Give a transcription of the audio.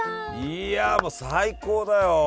いやもう最高だよ！